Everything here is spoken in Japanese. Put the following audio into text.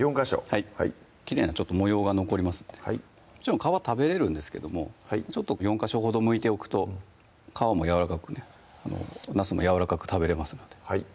はいきれいな模様が残りますのでもちろん皮食べれるんですけども４ヵ所ほどむいておくと皮もやわらかくねなすもやわらかく食べれますのではい